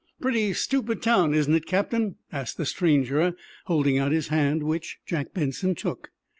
"Pretty stupid town, isn't it, Captain?" asked the stranger, holding out his hand, which Jack Benson took.